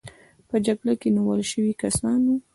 په جګړه کې نیول شوي کسان وو.